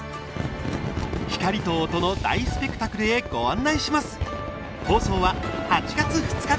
光と音の大スペクタクルへご案内します。